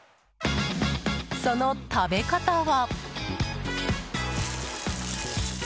その食べ方は。